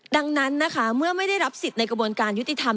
ดังนั้นนะคะเมื่อไม่ได้รับสิทธิ์ในกระบวนการยุติธรรม